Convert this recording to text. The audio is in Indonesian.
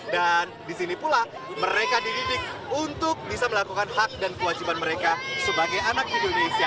dan disini pula mereka dididik untuk bisa melakukan hak dan kewajiban mereka sebagai anak indonesia